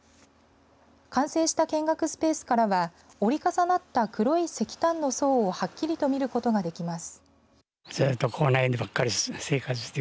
完成した見学スペースからは折り重なった黒い石炭の層をはっきりと見ることができます。